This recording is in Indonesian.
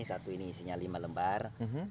satu ini isinya lima lembar